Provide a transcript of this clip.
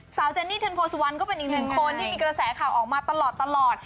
เจนนี่เทินโพสุวรรณก็เป็นอีกหนึ่งคนที่มีกระแสข่าวออกมาตลอด